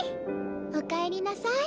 おかえりなさい。